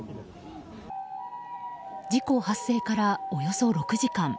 事故発生からおよそ６時間。